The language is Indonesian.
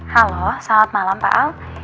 halo selamat malam pak alp